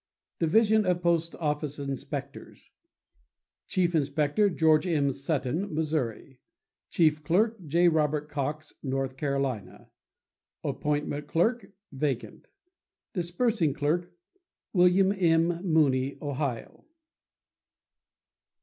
Division of Post Office Inspectors.— Chief Inspector.—George M. Sutton, Missouri. Chief Clerk.—J. Robert Cox, North Carolina. Appointment Clerk.—Vacant. Disbursing Clerk.—William M. Mooney, Ohio.